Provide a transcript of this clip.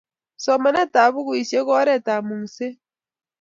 Somanet ap pukuisyek ko oret ap mung'set